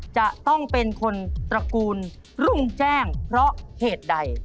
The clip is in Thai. จะต้องเป็นคนตระกูลรุ่งแจ้งเพราะเหตุใด